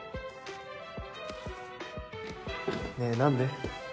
ねぇ何で？